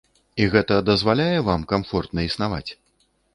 І гэта дазваляе вам камфортна існаваць?